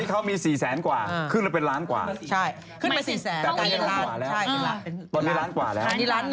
ขึ้นไป๔แสนกว่าครึ่งแล้วเป็นล้านกว่าตอนนี้ล้านกว่าแล้ว